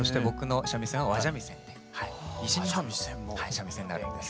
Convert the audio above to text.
三味線があるんです。